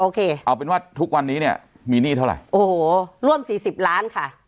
เอาเป็นว่าทุกวันนี้เนี่ยมีหนี้เท่าไหร่โอ้โหร่วมสี่สิบล้านค่ะ